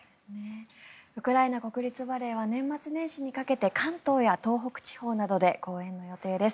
ウクライナ国立バレエは年末年始にかけて関東や東北地方などで公演の予定です。